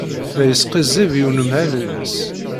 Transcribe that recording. La yesqizzib i unemhal-nnes.